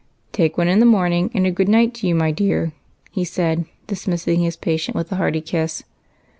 " Take one in the morning, and a good night to you, my dear," he said, dismissing his patient with a hearty kiss.